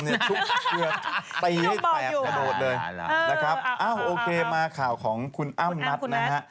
เมื่อกี้พูดอยู่พี่ยกบอกอยู่ค่ะนะครับเอ้าโอเคมาข่าวของคุณอ้ำนัทนะฮะ